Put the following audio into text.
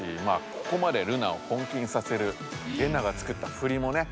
ここまでルナを本気にさせるレナがつくった振りもね